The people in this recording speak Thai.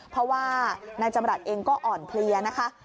เพราะว่านายจำรัฐเองก็อ่อนเพลียนะคะ